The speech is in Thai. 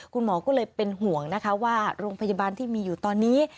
คุณหมอก็เลยเป็นห่วงนะคะว่าโรงพยาบาลที่มีอยู่ตอนนี้